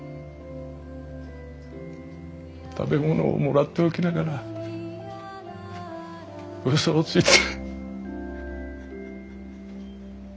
食べ物をもらっておきながらウソをついて。